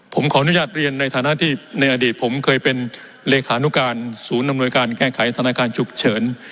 ผมขออนุญาตเรียนในฐานะที่ในอดีตผมเคยเป็นเลขานุการศูนย์อำนวยการแก้ไขธนาคารฉุกเฉิน